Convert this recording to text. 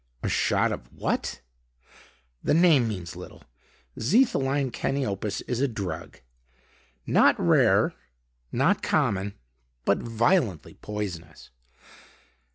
"A shot of what?" "The name means little. Xetholine caniopus is a drug; not rare, not common, but violently poisonous.